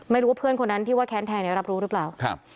ไม่รู้เพื่อนคนนั้นที่ว่าแค้นแทนรับรู้หรือเปล่า